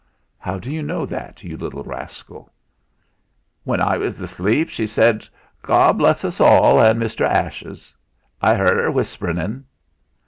"How do you know that, you little rascal?" "When I was asleep, she said: 'God bless us all, an' Mr. Ashes.' I yeard '.r whisperin'."